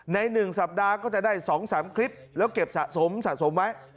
ในหนึ่งสัปดาห์ก็จะได้สองสามคลิปแล้วเก็บสะสมสะสมไว้